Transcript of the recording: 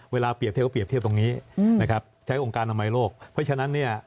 เวลาเปรียบเทียบตรงนี้ใช้องค์การอำนวยโลกเพราะฉะนั้นเนี่ย